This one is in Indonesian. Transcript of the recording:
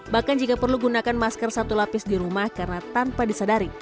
bahkan jika perlu gunakan masker satu lapis di rumah karena tanpa disadari